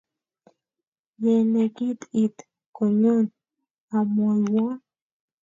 Ye nekit iit konyon imwoiwon